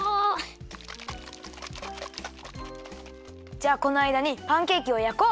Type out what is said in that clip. じゃあこのあいだにパンケーキをやこう。